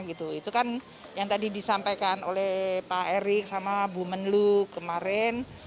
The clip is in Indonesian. itu kan yang tadi disampaikan oleh pak erick sama bu menlu kemarin